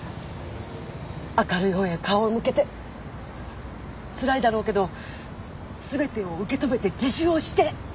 明るいほうへ顔を向けてつらいだろうけどすべてを受け止めて自首をして！